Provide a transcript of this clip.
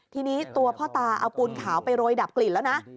ทีนี้ตัวพ่อตาเอาปูนขาวไปโรยดับกลิ่นแล้วนะ